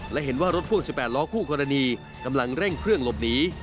และเห็นว่ารถพ่วง๑๘ล้อคู่กรณีกำลังเร่งเครื่องหลบหนี